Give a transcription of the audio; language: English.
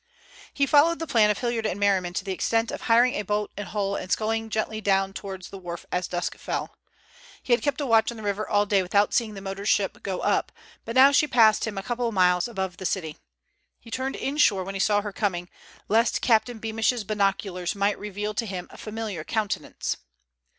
He followed the plan of Hilliard and Merriman to the extent of hiring a boat in Hull and sculling gently down towards the wharf as dusk fell. He had kept a watch on the river all day without seeing the motor ship go up, but now she passed him a couple of miles above the city. He turned inshore when he saw her coming, lest Captain Beamish's binoculars might reveal to him a familiar countenance.